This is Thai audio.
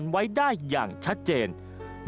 สวัสดีครับ